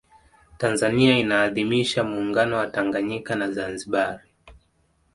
tanzania inaadhimisha muungano wa tanganyika na zanzibar